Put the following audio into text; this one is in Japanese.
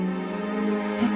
えっ？